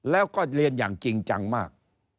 แล้วก็เรียนอย่างจริงจังมาก